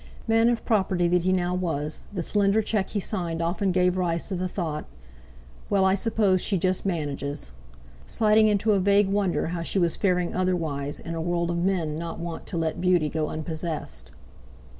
Man of property that he now was, the slender cheque he signed often gave rise to the thought: "Well, I suppose she just manages"; sliding into a vague wonder how she was faring otherwise in a world of men not wont to let beauty go unpossessed.